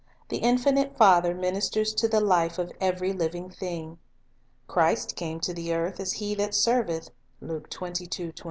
The infinite Father ministers to the life of every living thing. Christ came to the earth "as he that serveth." !